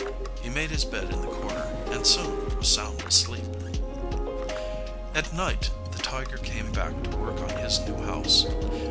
He made his bed in the corner and soon was sound asleep. At night the tiger came back to work on his new house.